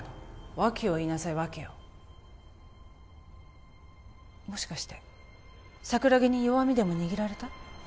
訳を言いなさい訳をもしかして桜木に弱みでも握られた？